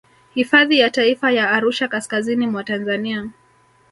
Hifadhi ya taifa ya Arusha kaskazini mwa Tanzania